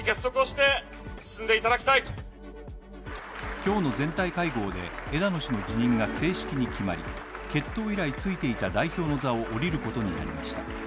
今日の全体会合で、枝野氏の辞任が正式に決まり、結党以来ついていた代表の座を降りることになりました。